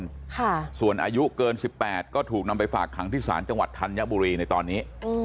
ค่ะส่วนอายุเกินสิบแปดก็ถูกนำไปฝากขังที่ศาลจังหวัดธัญบุรีในตอนนี้อืม